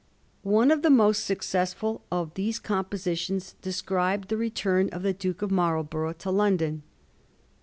One of the most successful of these compositions described the return of the Duke of Marlborough to London.